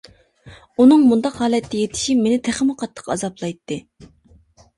ئۇنىڭ مۇنداق ھالەتتە يېتىشى مېنى تېخىمۇ قاتتىق ئازابلايتتى.